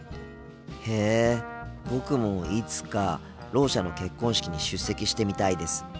へえ僕もいつかろう者の結婚式に出席してみたいです。